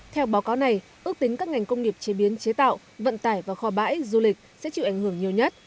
theo báo cáo này ước tính các ngành công nghiệp chế biến chế tạo vận tải và kho bãi du lịch sẽ chịu ảnh hưởng nhiều nhất